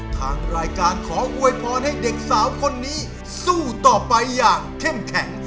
ทางรายการขออวยพรให้เด็กสาวคนนี้สู้ต่อไปอย่างเข้มแข็ง